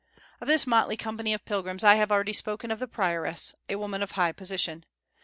Of this motley company of pilgrims, I have already spoken of the prioress, a woman of high position.